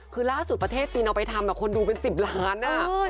คือล่าสุดประเทศจีนเอาไปทำคนดูเป็น๑๐ล้าน